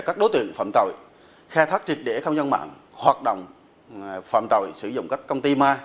các đối tượng phạm tội khe thách triệt để không nhân mạng hoạt động phạm tội sử dụng các công ty ma